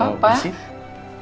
gara gara itu bersih